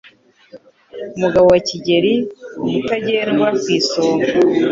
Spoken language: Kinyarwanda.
Umugabo wa Kigeli.Umutagendwa ku isonga,